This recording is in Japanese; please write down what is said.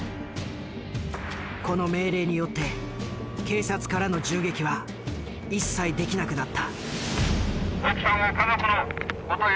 この命令によって警察からの銃撃は一切できなくなった。